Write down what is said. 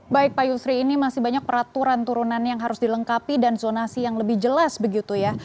baik pak yusri ini masih banyak peraturan turunan yang harus dilengkapi dan zonasi yang lebih jelas begitu ya